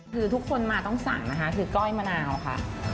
คือทุกคนมาต้องสั่งนะคะคือก้อยมะนาวค่ะ